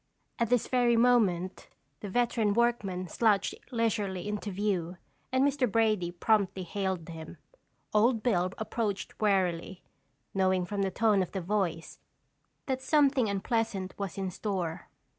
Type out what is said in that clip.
At this very moment the veteran workman slouched leisurely into view and Mr. Brady promptly hailed him. Old Bill approached warily, knowing from the tone of the voice, that something unpleasant was in store.